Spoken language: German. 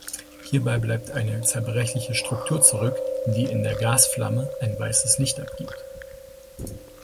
Hierbei bleibt eine zerbrechliche Struktur zurück, die in der Gasflamme ein weißes Licht abgibt.